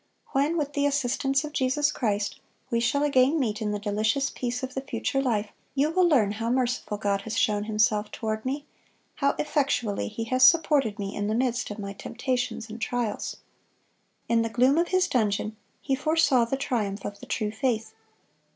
When, with the assistance of Jesus Christ, we shall again meet in the delicious peace of the future life, you will learn how merciful God has shown Himself toward me, how effectually He has supported me in the midst of my temptations and trials."(138) In the gloom of his dungeon he foresaw the triumph of the true faith.